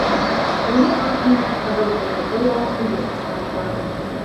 Туры ат менән ҡыҙыл һыйырҙы ла һуйып ашанылар.